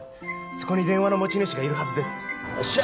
そこに電話の持ち主がいるはずですよっしゃ